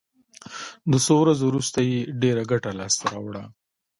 د څو ورځو وروسته یې ډېره ګټه لاس ته راوړه.